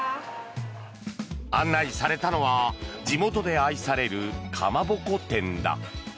案内されたのは地元で愛されるかまぼこ店だ。